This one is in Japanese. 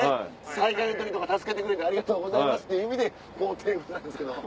災害の時とか助けてくれてありがとうございますって意味でこう手振ってたんですけど。